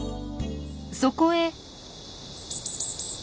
そこへ。